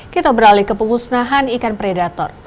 kita beralih ke pemusnahan ikan predator